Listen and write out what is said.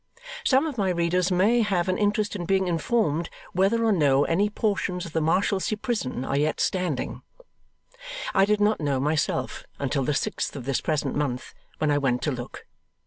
Some of my readers may have an interest in being informed whether or no any portions of the Marshalsea Prison are yet standing. I did not know, myself, until the sixth of this present month, when I went to look.